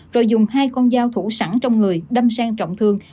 rồi dùng hai con dao thủ sẵn trong người đâm sang trọng thương